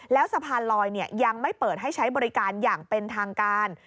แล้วสะพานลอยยังไม่เปิดให้ใช้บริการอย่างเป็นทางการ